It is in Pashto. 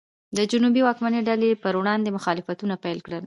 د جنوب واکمنې ډلې یې پر وړاندې مخالفتونه پیل کړل.